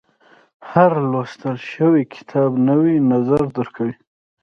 • هر لوستل شوی کتاب، نوی نظر درکوي.